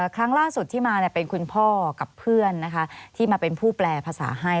ครั้งล่าสุดที่มาเป็นคุณพ่อกับเพื่อนที่มาเป็นผู้แปลภาษาให้